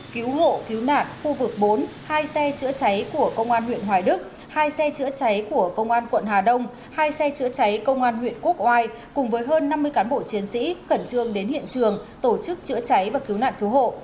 cứu hộ cứu nạn khu vực bốn hai xe chữa cháy của công an huyện hoài đức hai xe chữa cháy của công an quận hà đông hai xe chữa cháy công an huyện quốc oai cùng với hơn năm mươi cán bộ chiến sĩ khẩn trương đến hiện trường tổ chức chữa cháy và cứu nạn cứu hộ